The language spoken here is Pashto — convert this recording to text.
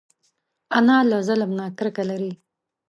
انا له ظلم نه کرکه لري